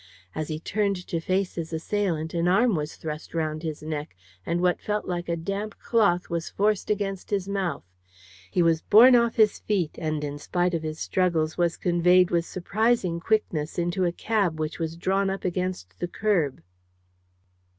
As he turned to face his assailant, an arm was thrust round his neck, and what felt like a damp cloth was forced against his mouth. He was borne off his feet, and, in spite of his struggles, was conveyed with surprising quickness into a cab which was drawn up against the kerb.